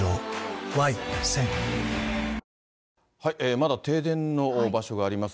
まだ停電の場所があります。